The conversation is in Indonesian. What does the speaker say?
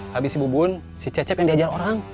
habis si bubun si cecep yang diajar orang